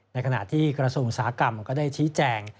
ในขณะที่กระทรวงอุตสาหกรรมก็ได้ชี้แจง